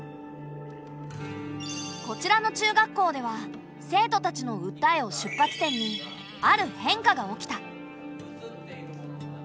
こちらの中学校では生徒たちの訴えを出発点にある変化が起きた。